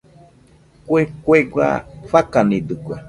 Kue kuega fakanidɨkue.